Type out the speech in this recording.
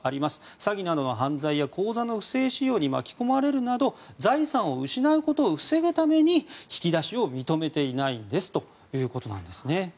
詐欺などの犯罪や口座の不正使用に巻き込まれるなど財産を失うことを防ぐために引き出しを認めていないんですと。